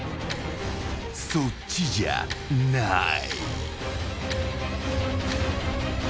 ［そっちじゃない］